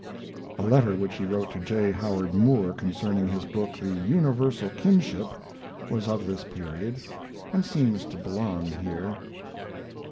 A letter which he wrote to J. Howard Moore concerning his book The Universal Kinship was of this period, and seems to belong here.